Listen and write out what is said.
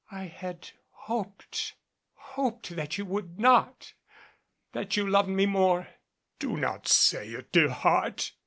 "I had hoped hoped that you would not! That you loved me more " "Do not say it, dear heart!